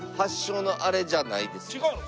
違うの？